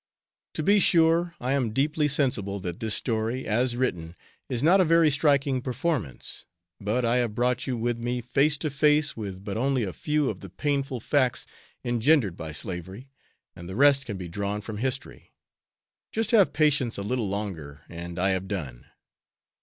To be sure, I am deeply sensible that this story, as written, is not a very striking performance, but I have brought you with me face to face with but only a few of the painful facts engendered by slavery, and the rest can be drawn from history. Just have patience a little longer, and I have done.